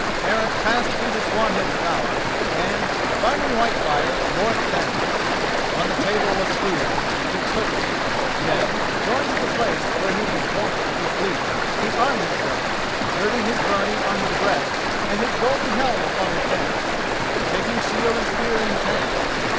Eric passed into Swanhild's bower, and, finding Whitefire, bore it thence. On the table was food. He took it. Then, going to the place where he was wont to sleep, he armed himself, girding his byrnie on his breast and his golden helm upon his head, and taking shield and spear in his hand.